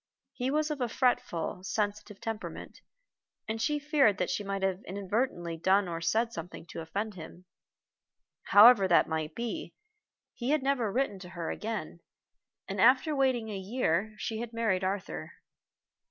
He was of a fretful, sensitive temperament, and she feared that she might have inadvertently done or said something to offend him. However that might be, he had never written to her again, and after waiting a year she had married Arthur.